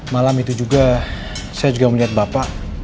malam itu juga saya juga melihat bapak